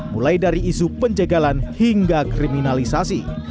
mulai dari isu penjagalan hingga kriminalisasi